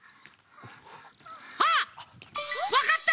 あっわかった！